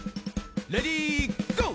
レディーゴー！